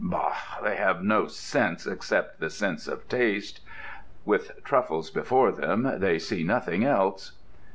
Bah! They have no sense, except the sense of taste: with truffles before them, they see nothing else."